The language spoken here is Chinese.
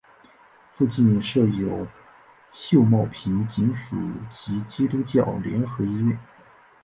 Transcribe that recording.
附近设有秀茂坪警署及基督教联合医院。